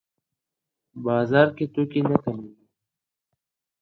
بازار کي توکي نه کمېږي.